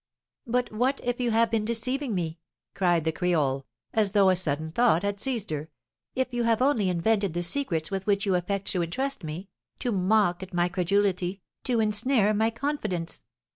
"But what if you have been deceiving me?" cried the creole, as though a sudden thought had seized her; "if you have only invented the secrets with which you affect to entrust me, to mock at my credulity, to ensnare my confidence?"